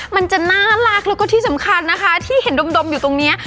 มันจะน่ารักแล้วก็ที่สำคัญนะคะที่เห็นดมอยู่ตรงนี้